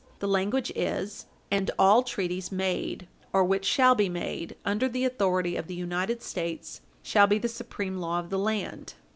The language is: "and all treaties made, or which shall be made, under the authority of the United States, shall be the supreme law of the land."